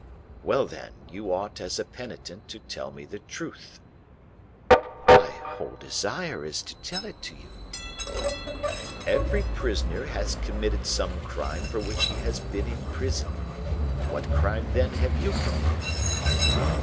"Well, then, you ought, as a penitent, to tell me the truth." "My whole desire is to tell it you." "Every prisoner has committed some crime for which he has been imprisoned. What crime, then, have you committed?"